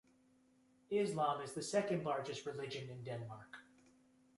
Islam is the second largest religion in Denmark.